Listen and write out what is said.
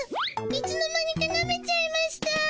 いつの間にかなめちゃいました。